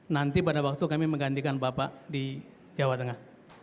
nanti pada waktu kami menggantikan bapak di jawa tengah